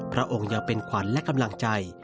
พระองค์ยังเป็นขวัญและกำลังใจ